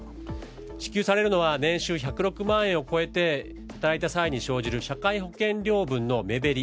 支給されるのは年収１０６万円を超えて働いた際に生じる社会保険料分の目減り。